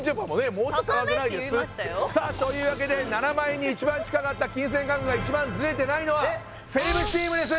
もうちょっと高くないです？って高めって言いましたよさあというわけで７万円に一番近かった金銭感覚が一番ズレてないのはセレブチームです